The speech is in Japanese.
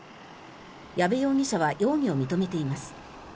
矢部容疑者は容疑を認めています。